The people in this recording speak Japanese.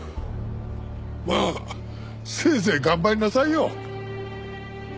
まあせいぜい頑張りなさいよ。